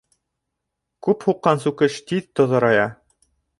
Күп һуҡҡан сүкеш тиҙ тоҙорая.